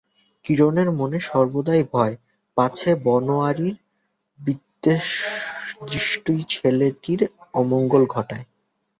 কিরণের মনে সর্বদাই ভয়, পাছে বনোয়ারির বিদ্বেষদৃষ্টি ছেলেটির অমঙ্গল ঘটায়।